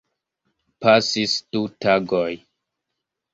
Pasis du tagoj.